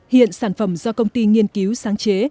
hiện sản phẩm do công ty nghiên cứu sáng chế